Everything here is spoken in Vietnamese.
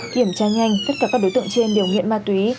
kiểm tra nhanh tất cả các đối tượng trên đều nghiện ma túy